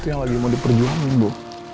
dia yang lagi mau diperjuangin ibu